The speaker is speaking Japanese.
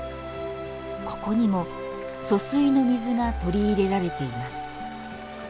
ここにも疏水の水が取り入れられています。